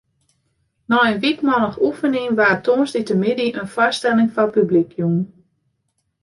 Nei in wykmannich oefenjen waard tongersdeitemiddei in foarstelling foar publyk jûn.